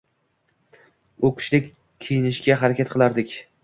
U kishidek kiyinishga harakat qilardik.